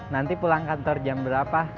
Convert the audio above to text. nanti pulang kantor jam berapa